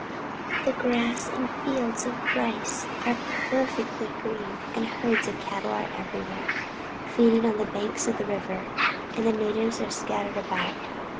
The grass and fields of rice are perfectly green, and herds of cattle are everywhere feeding on the banks of the river, and the natives are scattered about